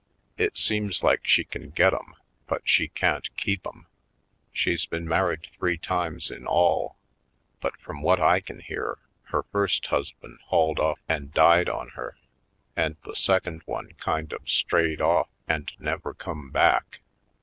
It seems like she can get 'em, but she can't keep 'em. She's been married three times in all; but from what I can hear, her first husband hauled off and died on her and the second one kind of strayed off and never come back.